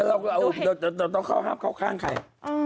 เราต้องเข้าข้างใคร